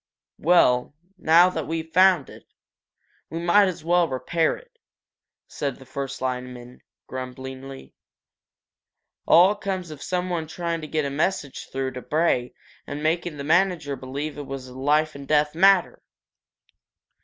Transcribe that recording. "Well, now that we've found it, we might as well repair it," said the first lineman, grumblingly. "All comes of someone trying to get a message through to Bray and making the manager believe it was a life and death matter!"